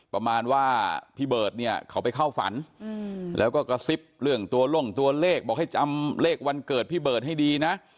ประมาณว่าพี่เบิร์ตเนี่ยเขาไปเข้าฝันแล้วก็กระซิบเรื่องตัวลงตัวเลขบอกให้จำเลขวันเกิดพี่เบิร์ตให้ดีนะ